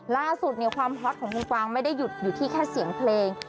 ล่าสุดความฮอตของคุณกวางไม่ได้หยุดอยู่ที่แค่เสียงเพลง